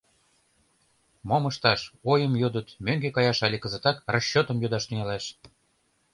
Мом ышташ — ойым йодыт, мӧҥгӧ каяш але кызытак расчётым йодаш тӱҥалаш.